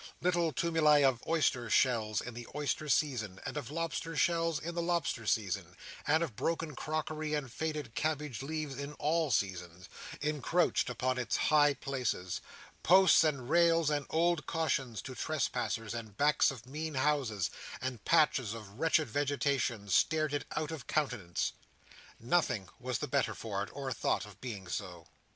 Little tumuli of oyster shells in the oyster season, and of lobster shells in the lobster season, and of broken crockery and faded cabbage leaves in all seasons, encroached upon its high places. Posts, and rails, and old cautions to trespassers, and backs of mean houses, and patches of wretched vegetation, stared it out of countenance. Nothing was the better for it, or thought of being so.